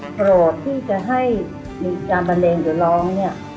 โปรดที่จะให้มีอีกจำบันเลงเดี๋ยวร้องเนี่ย